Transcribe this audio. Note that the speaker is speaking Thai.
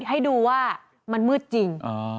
ให้ดูว่ามันมืดจริง